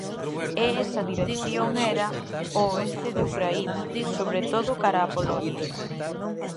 E esa dirección era o oeste de Ucraína, sobre todo cara a Polonia.